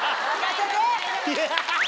ハハハハ。